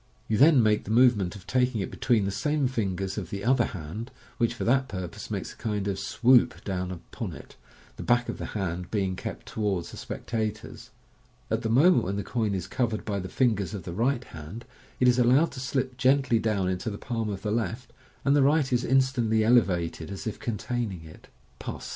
You then make the movement of taking it between the same fingers of the other hand, which for that purpose makes a kind of "swoop" down upon it, the back of the hand being kept towards the specta tors. At the moment when the coin is covered by the fingers of the right hand, it is allowed to slip gently dowr: into the palm of the left, and the right is instantly elevated as if containing it. Pass 6.